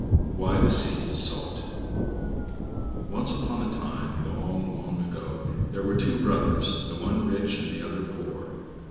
Why the Sea is Salt Once upon a time, long, long ago, there were two brothers, the one rich and the other poor.